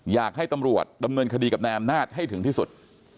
อยากให้ตำรวจดำเนินคดีกับนายอำนาจให้ถึงที่สุด